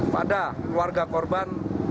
pada keluarga korban